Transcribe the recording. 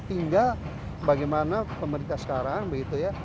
tinggal bagaimana pemerintah sekarang begitu ya